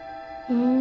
うん。